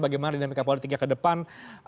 bagaimana dinamika politiknya ke depan